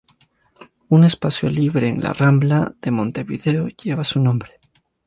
Un espacio libre en la Rambla de Montevideo lleva su nombre.